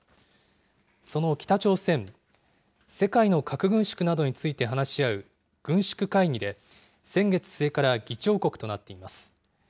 その北朝鮮、世界の核軍縮などについて話し合う軍縮会議で、先月末から議長国となっています。